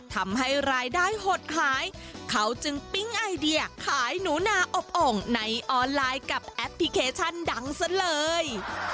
ทำให้รายได้หดหายเขาจึงปิ๊งไอเดียขายหนูนาอบโอ่งในออนไลน์กับแอปพลิเคชันดังซะเลย